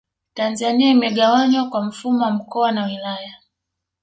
Tanzania imegawanywa kwa mfumo wa mkoa na wilaya